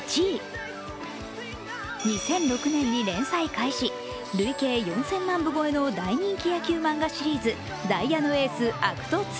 ２００６年に連載開始、累計４０００万部超えの大人気野球漫画シリーズ「ダイヤのＡａｃｔｌｌ」。